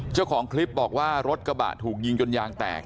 เจ้าของคลิปบอกว่ารถกระบะถูกยิงจนยางแตก